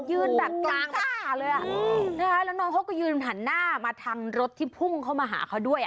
ยืนแบบกลางท่าเลยอ่ะนะคะแล้วน้องเขาก็ยืนหันหน้ามาทางรถที่พุ่งเข้ามาหาเขาด้วย